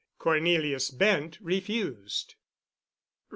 Cornelius Bent refused.